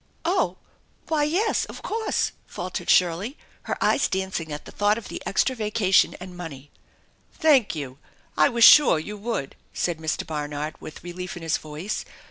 " Oh ! Why, yes, of course !" faltered Shirley, her eyes dancing at the thought of the extra vacation and money. " Thank you !" I was sure you would," said Mr. Barnard, with relief in his voice.